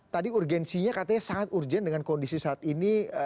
tadi urgensinya katanya sangat urgent dengan kondisi saat ini